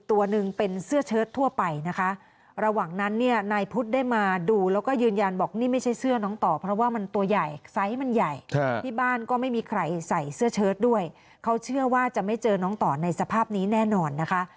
อันนี้ไม่ใช่เสื้อน้องต่อเพราะว่ามันตัวใหญ่ไซส์มันใหญ่ที่บ้านก็ไม่มีใครใส่เสื้อเชิดด้วยเขาเชื่อว่าจะไม่เจอน้องต่อในสภาพนี้แน่นอนนะคะ